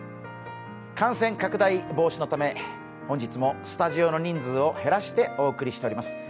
感染拡大防止のため本日もスタジオの人数を減らしてお送りしております。